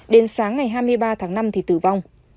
đến sáng ngày hai mươi ba tháng năm thì tử vong